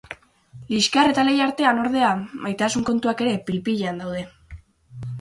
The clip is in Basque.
Liskar eta lehia artean, ordea, maitasun kontuak ere pil-pilean daude.